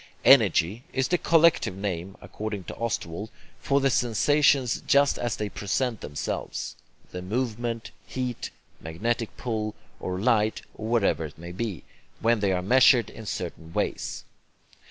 'Energy' is the collective name (according to Ostwald) for the sensations just as they present themselves (the movement, heat, magnetic pull, or light, or whatever it may be) when they are measured in certain ways.